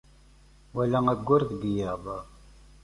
Wala ayyur deg yiḍ.